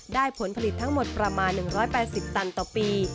ผลผลิตทั้งหมดประมาณ๑๘๐ตันต่อปี